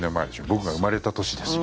僕が生まれた年ですよ。